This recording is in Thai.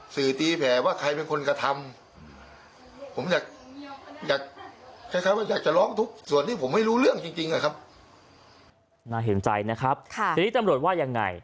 สื่อตีแผ่ว่าใครเป็นคนกระทำ